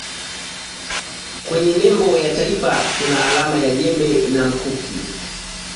kwenye nembo ya taifa kuna alama ya jembe na mkuki